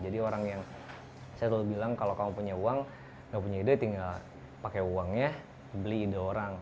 jadi orang yang saya dulu bilang kalau kamu punya uang nggak punya ide tinggal pakai uangnya beli ide orang